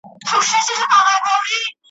زما مي د سفر نیلی تیار دی بیا به نه وینو ,